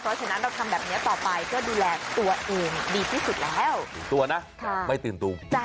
เพราะฉะนั้นเราทำแบบเนี้ยต่อไปก็ดูแลตัวเองดีที่สุดแล้วตัวนะค่ะไม่ตื่นตรูใช่